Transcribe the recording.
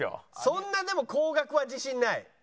そんなでも高額は自信ない。